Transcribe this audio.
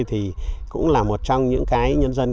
thì cũng là một trong những cái nhân dân